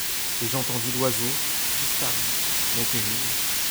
Et j’entendis l’oiseau, disparu, mais terrible